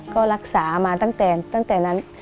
ก็รักษามาตั้งแต่นั้น